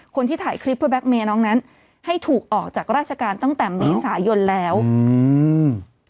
คนที่ถ่ายคลิปเพื่อแก๊กเมย์น้องนั้นให้ถูกออกจากราชการตั้งแต่เมษายนแล้วอืม